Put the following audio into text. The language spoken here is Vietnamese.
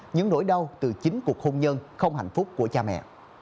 những nỗi đau từ chính cuộc hôn nhân không hạnh phúc của cha mẹ